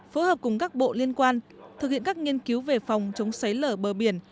phối hợp cùng các bộ liên quan thực hiện các nghiên cứu về phòng chống sấy lở bờ biển